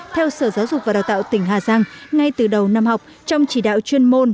theo sở giáo dục và đào tạo tỉnh hà giang ngay từ đầu năm học trong chỉ đạo chuyên môn